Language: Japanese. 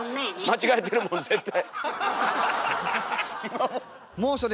間違えてるもん絶対。